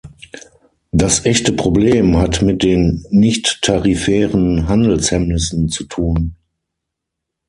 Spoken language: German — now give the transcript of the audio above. Das echte Problem hat mit den nichttarifären Handelshemmnissen zu tun.